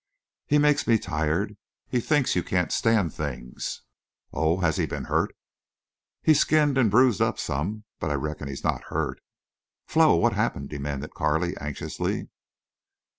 ... He makes me tired. He thinks you can't stand things." "Oh! Has he been—hurt?" "He's skinned an' bruised up some, but I reckon he's not hurt." "Flo—what happened?" demanded Carley, anxiously.